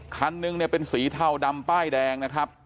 คันนึงเนี่ยเป็นสีเทาดำป้ายแดงนะครับ